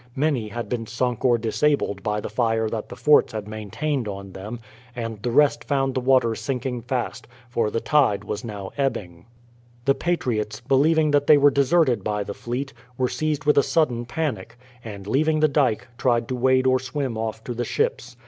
Many had been sunk or disabled by the fire that the forts had maintained on them; and the rest found the water sinking fast, for the tide was now ebbing. The patriots, believing that they were deserted by the fleet, were seized with a sudden panic; and, leaving the dyke, tried to wade or swim off to the ships.